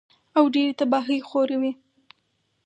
او ډېرې تباهۍ خوروي